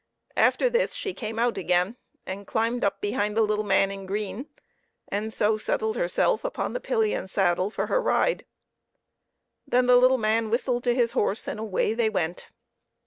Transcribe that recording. After this she came out again, and climbed up behind the little man in green, and so settled herself upon the pillion saddle for her ride. Then the little man whistled to his horse, and away they went.